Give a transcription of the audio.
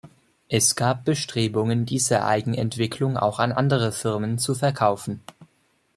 Es gab Bestrebungen, diese Eigenentwicklung auch an andere Firmen zu verkaufen.